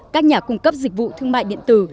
các nhà cung cấp dịch vụ thương mại điện tử